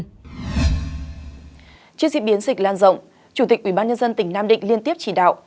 trước diễn biến dịch lan rộng chủ tịch ubnd tỉnh nam định liên tiếp chỉ đạo